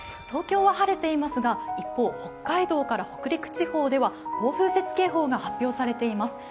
東京は晴れていますが、一方、北海道から北陸地方では暴風雪警報が発表されています。